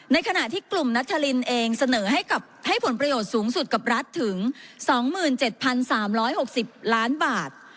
ในขณะที่กลุ่มนัทธารินเองเสนอให้ผลประโยชน์สูงสุดกับรัฐถึง๒๗๓๖๐ล้านบาท